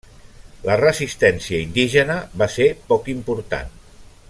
La resistència indígena va ser poc important.